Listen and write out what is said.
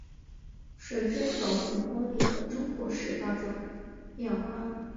水碓斗母宫里的中国式道教庙观。